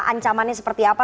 ancamannya seperti apa